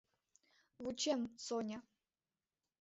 Вучем, Соня!